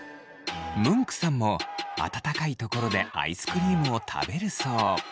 ムンクさんも暖かい所でアイスクリームを食べるそう。